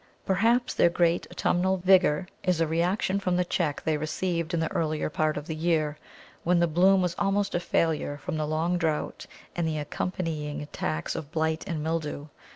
Perhaps their great autumnal vigour is a reaction from the check they received in the earlier part of the year, when the bloom was almost a failure from the long drought and the accompanying attacks of blight and mildew.